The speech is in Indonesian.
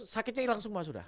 sakitnya hilang semua sudah